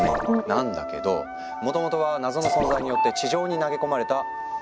なんだけどもともとは謎の存在によって地上に投げ込まれた「球」だったの。